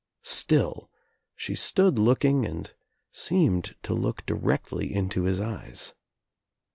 Still she stood looking and seemed to look directly into his eyes.